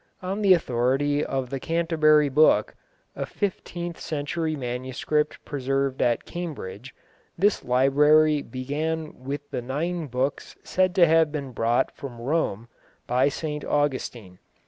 On the authority of the Canterbury Book, a fifteenth century manuscript preserved at Cambridge, this library began with the nine books said to have been brought from Rome by St Augustine.